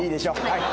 はい。